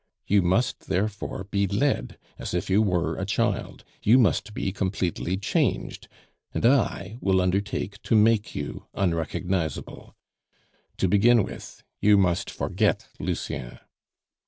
You must, therefore, be led as if you were a child; you must be completely changed, and I will undertake to make you unrecognizable. To begin with, you must forget Lucien."